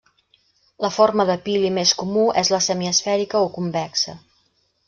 La forma de pili més comú és la semiesfèrica o convexa.